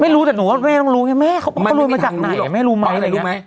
ไม่รู้แต่หนูก็ต้องรู้ไม่แม่เขามาจากไหนไม่รู้ไหม